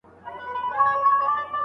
ولي ګڼو خلګو اوږد ډنډ ړنګ کړ؟